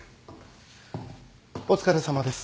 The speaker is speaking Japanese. お疲れさまです。